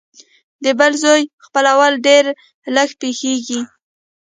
د بل زوی خپلول ډېر لږ پېښېږي